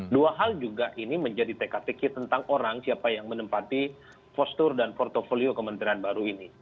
dua hal juga ini menjadi teka teki tentang orang siapa yang menempati postur dan portfolio kementerian baru ini